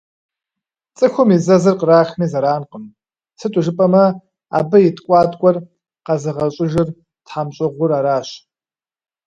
Цӏыхум и зэзыр кърахми зэранкъым, сыту жыпӏэмэ, абы ит ткӏуаткӏуэр къэзыгъэщӏыжыр тхьэмщӏыгъур аращ.